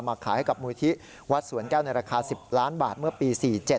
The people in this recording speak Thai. ขายให้กับมูลที่วัดสวนแก้วในราคา๑๐ล้านบาทเมื่อปี๔๗